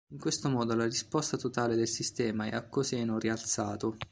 In questo modo la risposta totale del sistema è a coseno rialzato.